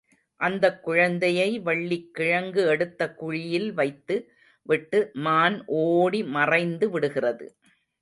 அந்தக் குழந்தையை வள்ளிக் கிழங்கு எடுத்த குழியில் வைத்து விட்டு மான் ஓடி மறைந்து விடுகிறது.